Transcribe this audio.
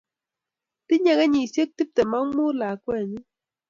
tinyei kenyisiek tiptem ak mut lakwenyu